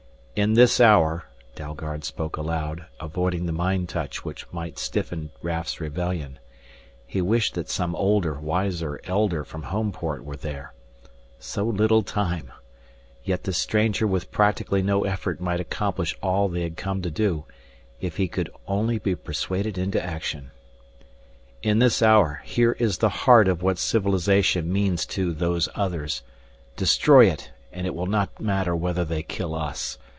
"In this hour," Dalgard spoke aloud, avoiding the mind touch which might stiffen Raf's rebellion. He wished that some older, wiser Elder from Homeport were there. So little time Yet this stranger with practically no effort might accomplish all they had come to do, if he could only be persuaded into action. "In this hour, here is the heart of what civilization remains to Those Others. Destroy it, and it will not matter whether they kill us.